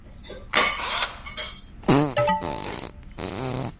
En esta comarca indígena habita la etnia guna.